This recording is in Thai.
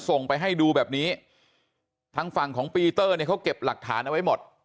ส่งไปให้ดูแบบนี้ทางฝั่งของปีเตอร์เนี่ยเขาเก็บหลักฐานเอาไว้หมด